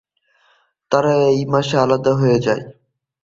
তারা একই মাসে আলাদা হয়ে যায়।